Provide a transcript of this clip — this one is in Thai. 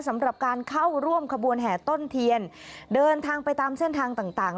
สำหรับการเข้าร่วมขบวนแห่ต้นเทียนเดินทางไปตามเส้นทางต่างต่าง